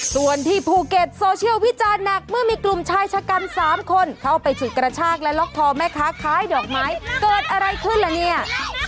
ส่วนที่ภูเก็ตโซเชียลวิจารณ์หนักเมื่อมีกลุ่มชายชะกัน๓คนเข้าไปฉุดกระชากและล็อกคอแม่ค้าคล้ายดอกไม้เกิดอะไรขึ้นละเนี่ย